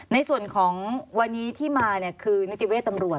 ในส่วนของวันนี้ที่มาคือนิติเวศตำรวจ